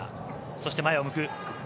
そして前を向く。